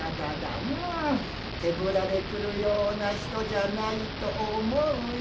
手ぶらで来るような人じゃないと思うよ。